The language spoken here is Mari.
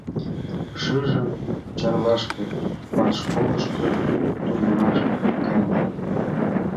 Шыжым Чарлашке партшколышко тунемаш кайынем.